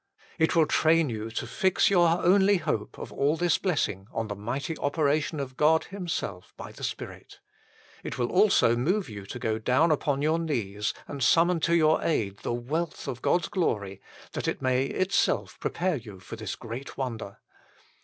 It will train you to fix your only hope of all this blessing on the mighty operation of God Himself by the Spirit. It will also move you to go down upon your knees and summon to your aid the wealth of God s glory, that it may itself prepare you for this great wonder.